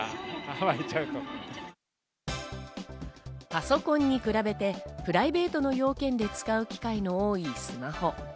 パソコンに比べてプライベートの用件で使う機会の多いスマホ。